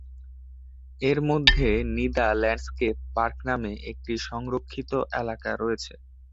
এর মধ্যে Nida landscape park নামে একটি সংরক্ষিত এলাকা রয়েছে।